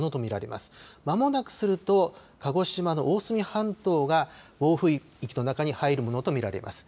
まもなくすると、鹿児島の大隅半島が暴風域の中に入るものと見られます。